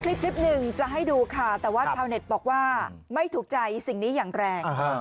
คลิปหนึ่งจะให้ดูค่ะแต่ว่าชาวเน็ตบอกว่าไม่ถูกใจสิ่งนี้อย่างแรง